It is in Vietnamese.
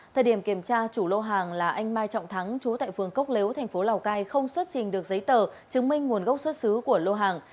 thời điểm kiểm tra chủ lô hàng là anh mai trọng thắng chú tại phường cốc lếu thành phố lào cai không xuất trình được giấy tờ chứng minh nguồn gốc xuất xứ của lô hàng